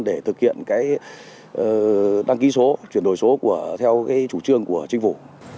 để thực hiện cái tăng ký số chuyển đổi số theo cái chủ trương của chính phủ